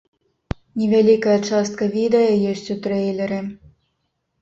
Невялікая частка відэа ёсць у трэйлеры.